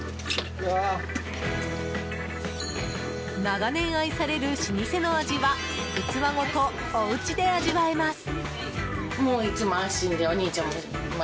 長年、愛される老舗の味は器ごとお家で味わえます。